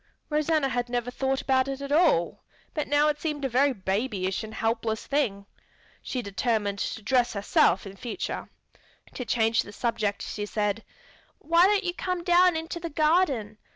Rosanna had never thought about it at all, but now it seemed a very babyish and helpless thing. She determined to dress herself in future. To change the subject she said, "Why don't you come down into the garden?